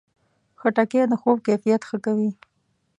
خټکی د خوب کیفیت ښه کوي.